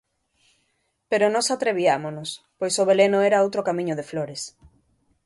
pero nós atreviámonos, pois o veleno era outro camiño de flores.